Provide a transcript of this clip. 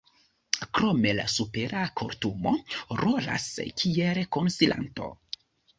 Krome la Supera Kortumo rolas kiel konsilanto.